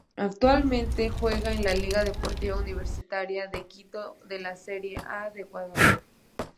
Actualmente juega en Liga Deportiva Universitaria de Quito de la Serie A de Ecuador.